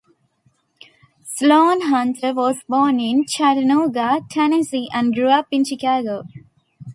Sloan-Hunter was born in Chattanooga, Tennessee, and grew up in Chicago.